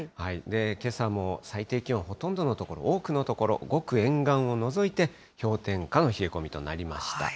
けさも最低気温、ほとんどの所、多くの所、ごく沿岸を除いて、氷点下の冷え込みとなりました。